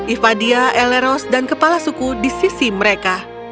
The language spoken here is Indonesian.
iphadia elros dan kepala suku di sisi mereka